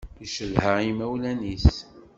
Yeccedha imawlan-is.